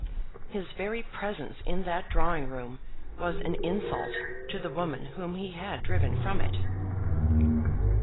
His very presence in that drawing room was an insult to the woman whom he had driven from it.